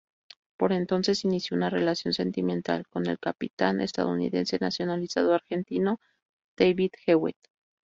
Por entonces inició una relación sentimental con el capitán estadounidense nacionalizado argentino David Jewett.